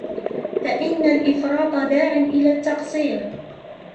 فَإِنَّ الْإِفْرَاطَ دَاعٍ إلَى التَّقْصِيرِ